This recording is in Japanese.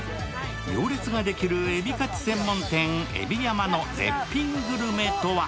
行列ができる海老かつ専門店、海老山の絶品グルメとは？